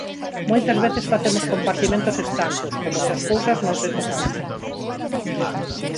Moitas veces facemos compartimentos estancos, como se as cousas non se tocasen.